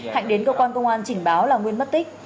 hạnh đến cơ quan công an trình báo là nguyên mất tích